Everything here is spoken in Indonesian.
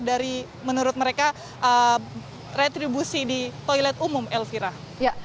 jadi menurut mereka retribusi di toilet umum elvira